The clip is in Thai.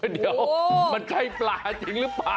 เดี๋ยวมันใกล้ปลาจริงหรือเปล่า